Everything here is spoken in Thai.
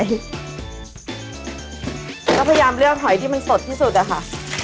ก็พยายามเลือกหอยที่มันสดที่สุดอะค่ะ